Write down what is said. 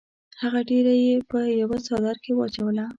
هغه ډبره یې په یوه څادر کې واچوله.